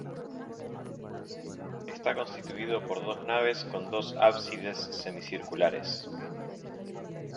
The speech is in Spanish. Está constituido por dos naves con dos ábsides semicirculares.